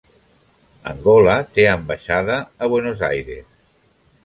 Angola té ambaixada a Buenos Aires.